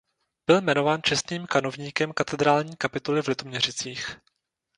Byl jmenován čestným kanovníkem katedrální kapituly v Litoměřicích.